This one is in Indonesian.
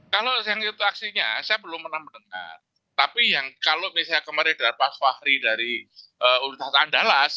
kalau yang itu aksinya saya belum pernah mendengar tapi yang kalau misalnya kemarin dapat fahri dari universitas andalas